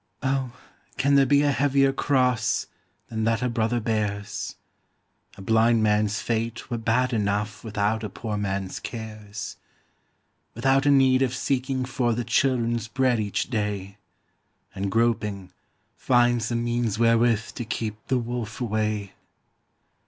Oh, can there be a heavier cross Than that a brother bears? A blind man's fate were bad enough Without a poor man's cares ; \V ithout a need of seeking for The children's bread each day, And groping, finds the means wherewith To keep the wolf away.